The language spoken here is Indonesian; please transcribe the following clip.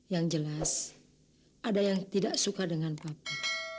yang jelas ada yang tidak suka dengan papa